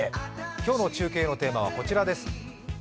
今日の中継のテーマはこちらです。